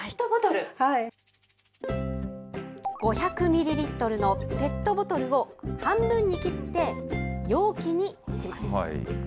５００ミリリットルのペットボトルを、半分に切って、容器にします。